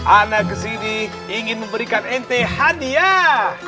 anak kesini ingin memberikan ente hadiah